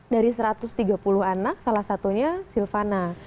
dari satu ratus tiga puluh anak salah satunya silvana